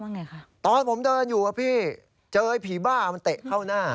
ไงคะตอนผมเดินอยู่อ่ะพี่เจอไอ้ผีบ้ามันเตะเข้าหน้า